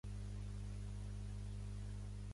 El meu fill es diu Aray: a, erra, a, i grega.